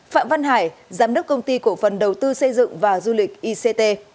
phạm văn hải giám đốc công ty cổ phần đầu tư xây dựng và du lịch ict